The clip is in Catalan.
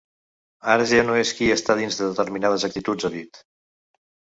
Ara ja no és qui està dins de determinades actituds, ha dit.